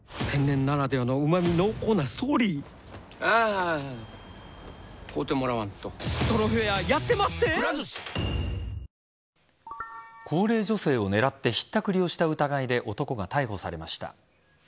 運転手の男性が高齢女性を狙ってひったくりをした疑いで男が逮捕されました。